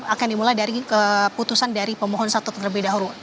akan dimulai dari keputusan dari pemohon satu terlebih dahulu